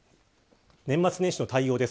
年末年始の対応です。